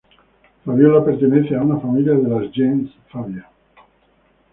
Fabiola pertenecía a una familia de la "gens" Fabia.